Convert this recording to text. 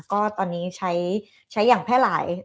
ก็ตอนนี้ใช้อย่างแพร่หลาย